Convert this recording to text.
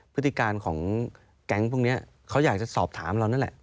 พฤติการของแก๊งพวกนี้เขาอยากจะสอบถามเรานั่นแหละ